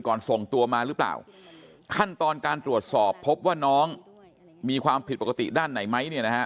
ส่งตัวมาหรือเปล่าขั้นตอนการตรวจสอบพบว่าน้องมีความผิดปกติด้านไหนไหมเนี่ยนะฮะ